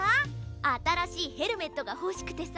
あたらしいヘルメットがほしくてさ。